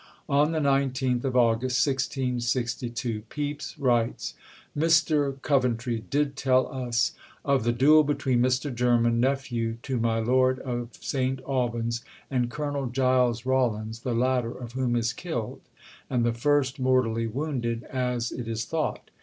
On the 19th of August 1662, Pepys writes: "Mr Coventry did tell us of the duel between Mr Jermyn, nephew to my Lord of St Alban's, and Colonel Giles Rawlins, the latter of whom is killed, and the first mortally wounded as it is thought.